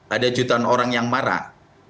ada jutaan orang yang marah